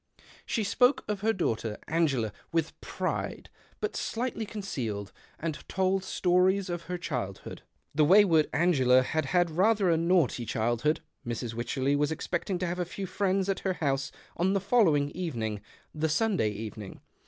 She spoke of her daughter Angela with pride but slightly concealed, and told stories of her childhood. The way w^ard Angela had had rather a naughty childhood. Mrs. AVycherley was expecting to have a few friends at her house on the following evening — the Sunday evening.